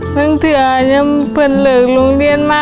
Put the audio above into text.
เพื่อนเธอยังเพื่อนเลือกโรงเรียนมา